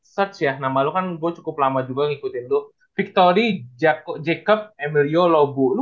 set set ya nama lo kan gua cukup lama juga ngikutin tuh fitori jakob jacob meliolog lu